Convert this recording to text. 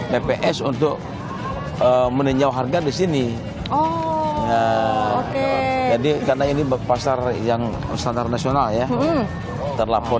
pps untuk meninjau harga di sini jadi karena ini pasar yang standar nasional ya terlapor